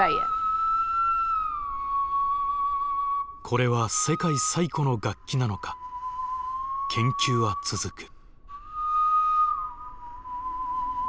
これは世界最古の楽器なのか研究は続く。